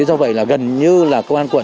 do vậy là gần như là công an quận